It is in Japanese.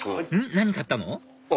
何買ったの？